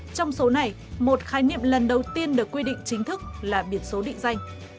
trong số này một khái niệm lần đầu tiên được quy định chính thức là biển số định danh